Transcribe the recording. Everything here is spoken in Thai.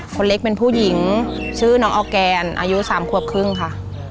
คนเล็กเป็นผู้หญิงชื่อน้องออร์แกนอายุ๓ขวบครึ่งค่ะ